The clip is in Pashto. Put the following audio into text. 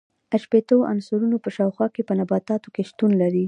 شپیتو عنصرونو په شاوخوا کې په نباتاتو کې شتون لري.